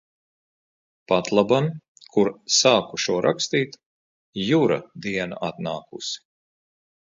Patlaban, kur sāku šo rakstīt, Jura diena atnākusi.